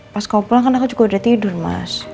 pas kamu pulang kan aku juga udah tidur mas